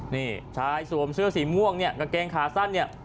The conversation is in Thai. นี่ชายสวมเสื้อสีม่วงเนี่ยกางเกงขาสั้นเนี่ย